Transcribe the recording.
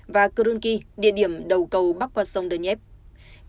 và kyrgyzstan địa điểm đầu cầu bắc qua sông donetsk